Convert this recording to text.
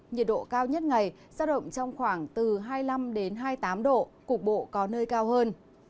nhiệt độ cao nhất ngày sao động trong khoảng từ hai mươi năm hai mươi tám độ cục bộ có nơi cao hơn